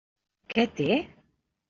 Què té?